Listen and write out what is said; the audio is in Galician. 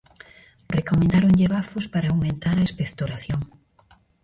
Recomendáronlle bafos para aumentar a expectoración.